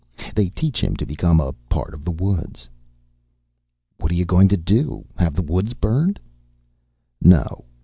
They 'teach' him to become a part of the woods." "What are you going to do? Have the woods burned?" "No."